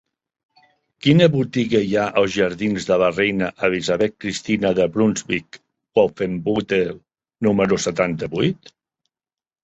Quina botiga hi ha als jardins de la Reina Elisabeth Cristina de Brunsvic-Wolfenbüttel número setanta-vuit?